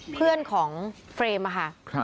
เพื่อนของเฟรมค่ะ